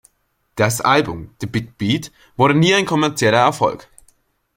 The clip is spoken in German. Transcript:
Das Album "The Big Beat" wurde nie ein kommerzieller Erfolg.